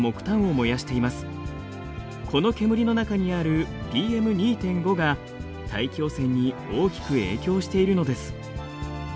この煙の中にあるＰＭ２．５が大気汚染に大きく影響しているのです。